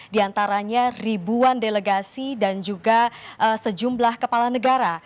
di antaranya ribuan delegasi dan juga sejumlah kepala negara